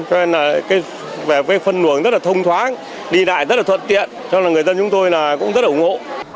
cho nên là cái phân luồng rất là thông thoáng đi lại rất là thuận tiện cho nên là người dân chúng tôi cũng rất là ủng hộ